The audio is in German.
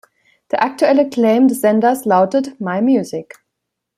Der aktuelle Claim des Senders lautet „my music.